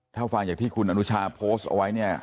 ถ้าฟังจากที่คุณอนุชาโพสต์เอาไว้เนี่ย